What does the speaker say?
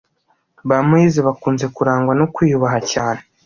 Ba Moïse bakunze kurangwa no kwiyubaha cyane